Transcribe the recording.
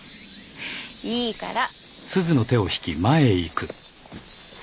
いいから。